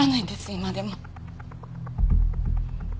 今でも。